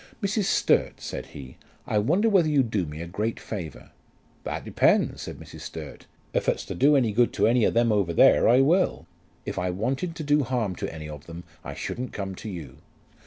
"Mrs. Sturt," said he, "I wonder whether you'd do me a great favour." "That depends " said Mrs. Sturt. "If it's to do any good to any of them over there, I will." "If I wanted to do harm to any of them I shouldn't come to you."